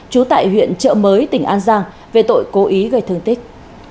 trú tại huyện trợ mới tỉnh an giang về tội cố ý gây thương tích